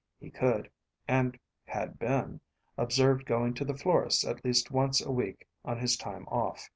He could (and had been) observed going to the florist's at least once a week on his time off.